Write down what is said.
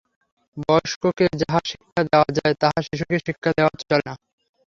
বয়স্ককে যাহা শিক্ষা দেওয়া যায়, তাহা শিশুকে শিক্ষা দেওয়া চলে না।